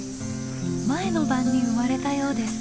前の晩に生まれたようです。